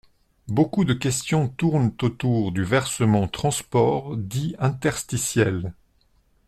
Beaucoup de questions tournent autour du versement transport dit interstitiel.